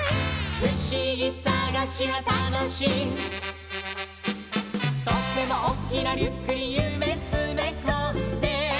「ふしぎさがしはたのしい」「とってもおっきなリュックにゆめつめこんで」